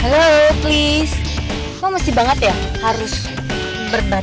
aku gak mau diputusin sama kamu bebek